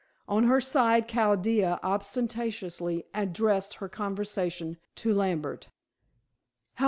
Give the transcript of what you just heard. On her side Chaldea ostentatiously addressed her conversation to Lambert.